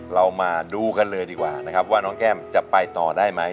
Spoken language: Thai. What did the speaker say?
เรามาดูกันเลยดีกว่านะครับว่าน้องแก้มจะไปต่อได้ไหม